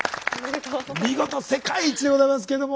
見事世界一でございますけども。